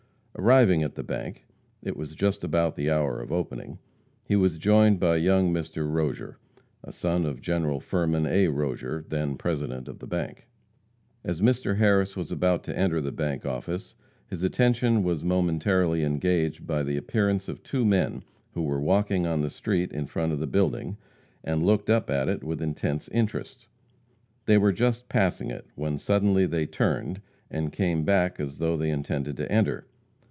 Arriving at the bank it was just about the hour of opening he was joined by young Mr. Rozier, a son of General Firman A. Rozier, then president of the bank. As Mr. Harris was about to enter the bank office, his attention was momentarily engaged by the appearance of two men who were walking on the street in front of the building, and looking up at it with an intense interest. They were just passing it, when suddenly they turned, and came back as though they intended to enter.